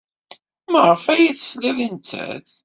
Maɣef ay as-teslid i nettat?